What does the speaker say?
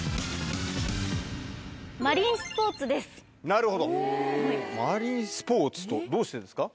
なるほどマリンスポーツとどうしてですか？